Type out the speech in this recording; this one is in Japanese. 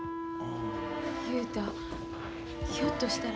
雄太ひょっとしたら。